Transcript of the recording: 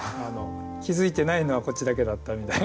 気付いてないのはこっちだけだったみたいな。